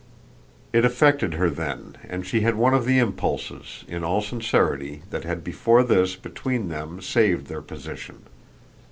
It affected her then, and she had one of the impulses, in all sincerity, that had before this, between them, saved their position.